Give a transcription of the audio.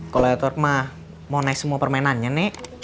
kalau edward mah mau naik semua permainannya nek